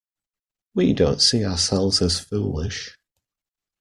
We don't see ourselves as foolish.